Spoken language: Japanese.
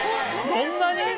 そんなに？